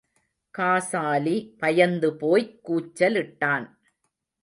Ghazali பயந்துபோய்க் கூச்சலிட்டான்.